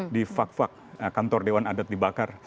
di fak fak kantor dewan adat dibakar